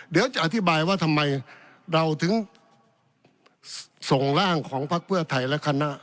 เดี๋ยวจะอธิบายว่าทำไมเราถึงส่งร่างของพักเพื่อไทยและคณะ